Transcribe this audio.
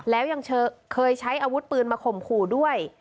แล้วยังเคยใช้อาวุธปืนมาข่มขู่ด้วย